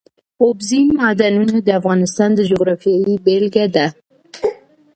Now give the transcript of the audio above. اوبزین معدنونه د افغانستان د جغرافیې بېلګه ده.